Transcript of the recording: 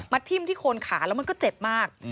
ทิ้มที่โคนขาแล้วมันก็เจ็บมาก